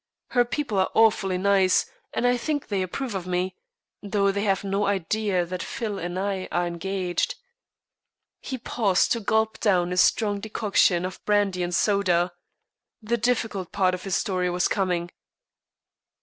Her people are awfully nice, and I think they approve of me, though they have no idea that Phil and I are engaged." He paused to gulp down a strong decoction of brandy and soda. The difficult part of his story was coming.